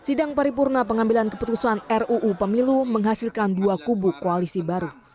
sidang paripurna pengambilan keputusan ruu pemilu menghasilkan dua kubu koalisi baru